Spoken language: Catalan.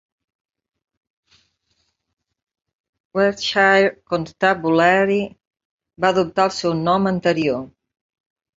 Warwickshire Constabulary va adoptar el seu nom anterior.